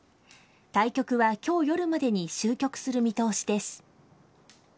対局はきょう夜までに終局する見通しです。